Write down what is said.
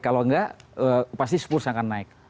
kalau enggak pasti spurs akan naik